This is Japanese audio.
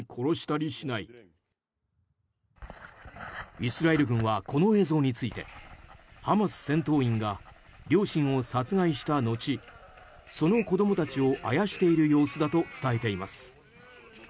イスラエル軍はこの映像についてハマス戦闘員が両親を殺害したのちその子供たちをあやしている様子だと伝えています。